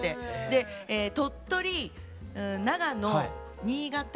で鳥取長野新潟